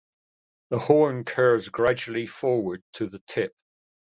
The horn curves gradually forward to the tip.